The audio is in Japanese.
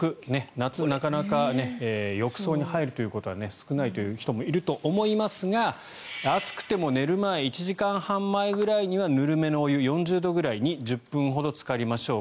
夏、なかなか浴槽に入るということは少ないという人もいると思いますが暑くても寝る前１時間半前ぐらいまではぬるめのお湯、４０度ぐらいに１０分ほどつかりましょう。